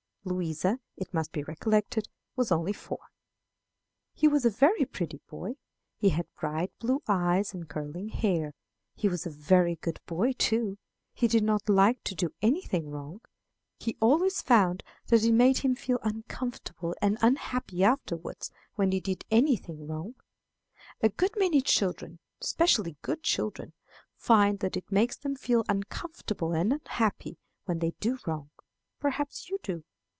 Louisa, it must be recollected, was only four. "He was a very pretty boy. He had bright blue eyes and curling hair. He was a very good boy, too. He did not like to do any thing wrong. He always found that it made him feel uncomfortable and unhappy afterwards when he did any thing wrong. A good many children, especially good children, find that it makes them feel uncomfortable and unhappy when they do wrong. Perhaps you do."